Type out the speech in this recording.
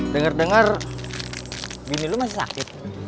dengar dengar bini lo masih sakit